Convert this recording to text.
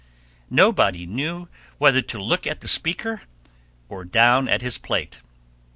Nobody knew whether to look at the speaker or down at his plate.